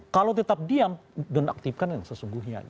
kalau tetap diam nonaktifkan yang sesungguhnya